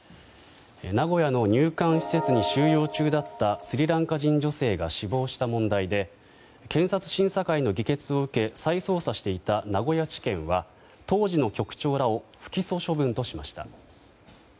名古屋の入管施設に収容中だったスリランカ人女性が死亡した問題で検察審査会の議決を受け再捜査していた名古屋地検は当時の局長らを不起訴処分としました。